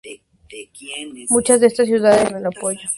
Muchas de estas ciudades le retiraron el apoyo.